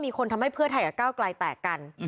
ทำให้เพื่อไทยกับก้าวไกลแตกกัน